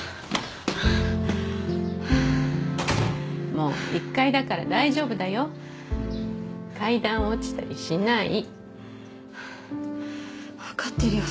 もう１階だから大丈夫だよ階段落ちたりしないわかってるよ